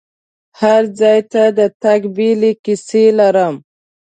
هر ځای ته د تګ بیلې کیسې لرم.